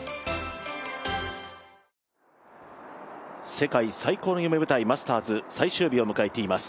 世界最高の夢舞台、マスターズ、最終日を迎えています。